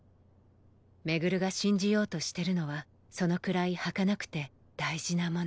廻が信じようとしてるのはそのくらいはかなくて大事なもの。